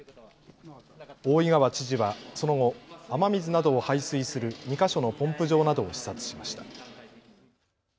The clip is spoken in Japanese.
大井川知事はその後、雨水などを排水する２か所のポンプ場などを視察しました。